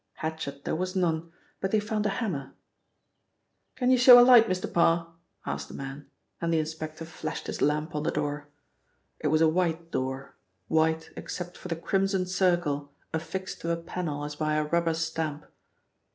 Hatchet there was none, but they found a hammer, "Can you show a light, Mr. Parr?" asked the man, and the inspector flashed his lamp on the door. It was a white door white except for the Crimson Circle affixed to a panel as by a rubber stamp.